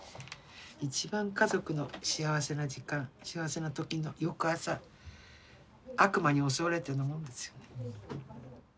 一番家族の幸せな時間幸せな時の翌朝悪魔に襲われたようなもんですよね。